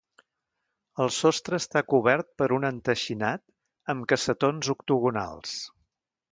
El sostre està cobert per un enteixinat amb cassetons octogonals.